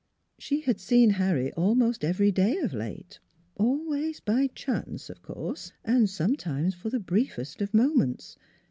She had seen Harry almost every day of late always by chance, of course, and sometimes for the briefest of moments.